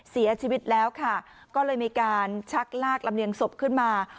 เสียชีวิตแล้วค่ะก็เลยมีการชักลากลำเลียงศพขึ้นมา